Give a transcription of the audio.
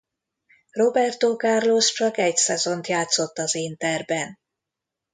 Roberto Carlos csak egy szezont játszott az Interben.